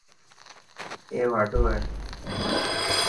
اي واڍو هي.